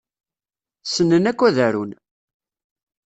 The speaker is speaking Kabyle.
Ssnen akk ad arun.